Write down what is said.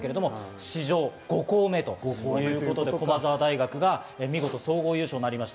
史上５校目ということで、駒澤大学が見事総合優勝となりました。